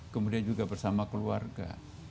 kemudian juga bersama keluarga